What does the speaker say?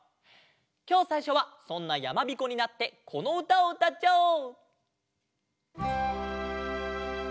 きょうさいしょはそんなやまびこになってこのうたをうたっちゃおう！